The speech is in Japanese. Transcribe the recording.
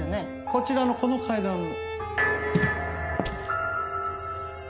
こちらのこの階段も。